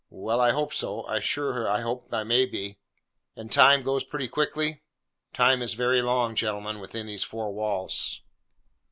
'Well, I hope so: I'm sure I hope I may be.' 'And time goes pretty quickly?' 'Time is very long gentlemen, within these four walls!